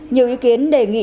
nhiều ý kiến đề nghị